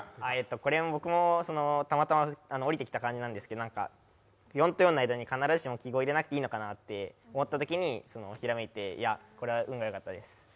これ僕もたまたまおりてきた感じなんですけれども４と４の間に必ずしも記号入れなくてもいいのかなと思ったときにひらめいて、これは運が良かったです。